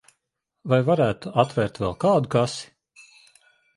Vai varētu atvērt vēl kādu kasi?